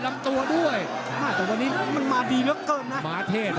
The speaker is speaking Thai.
มันต้องมันที่มันนะครับพี่ชายเอก